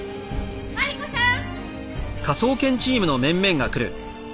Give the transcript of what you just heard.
マリコさん！